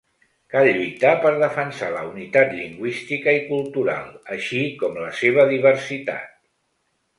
Cal lluitar per defensar la unitat lingüística i cultural, així com la seva diversitat.